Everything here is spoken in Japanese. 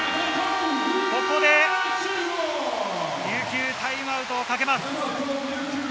ここで琉球はタイムアウトをかけます。